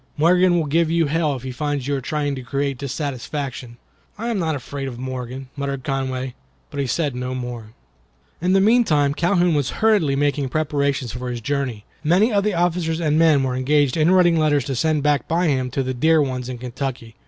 "Morgan will give you hell if he finds you are trying to create dissatisfaction." "I am not afraid of Morgan," muttered Conway, but he said no more. In the mean time Calhoun was hurriedly making preparations for his journey. Many of the officers and men were engaged in writing letters to send back by him to the dear ones in Kentucky.